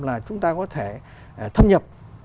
là chúng ta có thể thâm nhập